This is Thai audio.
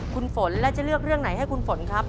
คุณฝนแล้วจะเลือกเรื่องไหนให้คุณฝนครับ